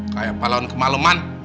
kayak pahlawan kemaleman